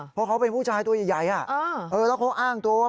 เพราะเขาเป็นผู้ชายตัวใหญ่แล้วเขาอ้างตัวว่า